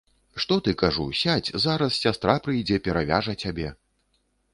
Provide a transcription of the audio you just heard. Што ты, кажу, сядзь, зараз сястра прыйдзе, перавяжа цябе.